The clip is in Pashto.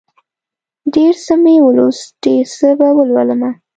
ډېر څه مې ولوست، ډېر څه به ولولمه